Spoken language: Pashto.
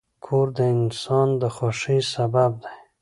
کور د انسان د خوښۍ سبب دی.